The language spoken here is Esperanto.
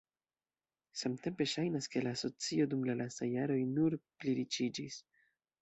Samtempe ŝajnas, ke la asocio dum la lastaj jaroj nur pliriĉiĝis.